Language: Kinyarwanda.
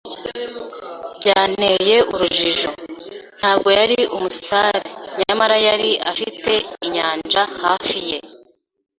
byanteye urujijo. Ntabwo yari umusare, nyamara yari afite inyanja hafi ye.